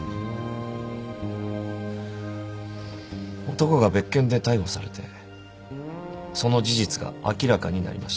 男が別件で逮捕されてその事実が明らかになりました。